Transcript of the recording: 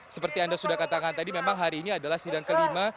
seperti anda sudah katakan tadi memang hari ini adalah sidang kelima